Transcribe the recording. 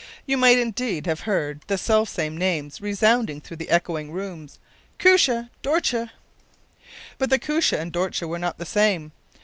You might, indeed, have heard the selfsame names resounding through the echoing rooms: “Koos je! Dort je!” But the Koosje and Dortje were not the same.